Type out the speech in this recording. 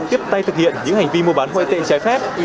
tiếp tay thực hiện những hành vi mua bán ngoại tệ trái phép